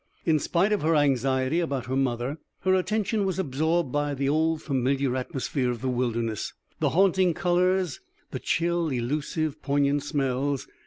In spite of her anxiety about her mother, her attention was absorbed by the old familiar atmosphere of the wilderness, the haunting colors, the chill, elusive, poignant smells.